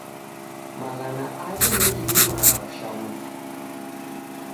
Maghana aw'i ndeghidimagha kusha mufu.